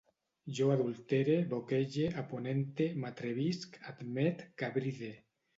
Jo adultere, boquege, aponente, m'atrevisc, admet, cabride